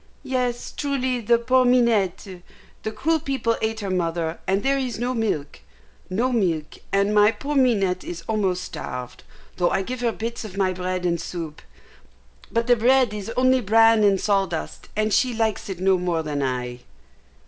"Yes, truly, the poor Minette! The cruel people ate her mother, and there is no milk no milk, and my poor Minette is almost starved, though I give her bits of my bread and soup; but the bread is only bran and sawdust, and she likes it no more than I."